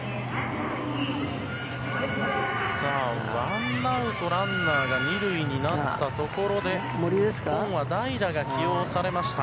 ワンアウトランナー２塁になったところで日本は代打が起用されました。